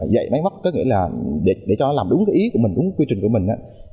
dạy máy móc có nghĩa là để cho nó làm đúng ý của mình đúng quy trình của mình